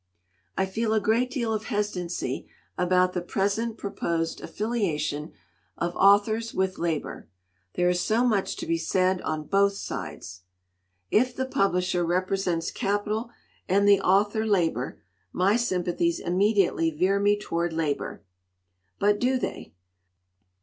"I feel a great deal of hesitancy about the present proposed affiliation of authors with labor. There is so much to be said on both sides! "If the publisher represents capital and the author labor, my sympathies immediately veer me toward labor. But do they